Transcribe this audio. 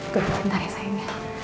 sebentar ya sayang